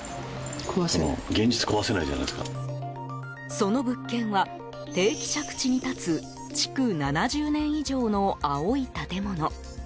その物件は、定期借地に立つ築７０年以上の青い建物。